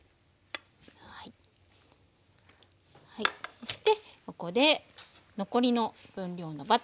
そしてここで残りの分量のバターですね。